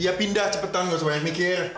ya pindah cepetan gak usah mikir